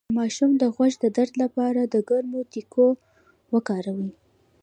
د ماشوم د غوږ د درد لپاره د ګرمو تکو وکاروئ